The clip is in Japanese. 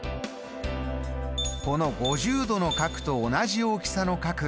この５０度の角と同じ大きさの角。